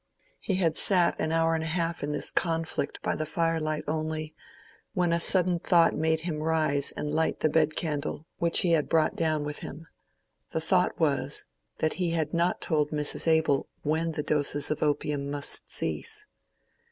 He had sat an hour and a half in this conflict by the firelight only, when a sudden thought made him rise and light the bed candle, which he had brought down with him. The thought was, that he had not told Mrs. Abel when the doses of opium must cease.